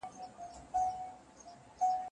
پر تندیو به د پېغلو اوربل خپور وي